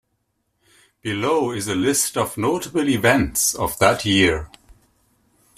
Below is a list of notable events of that year.